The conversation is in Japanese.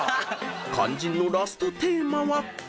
［肝心のラストテーマは？］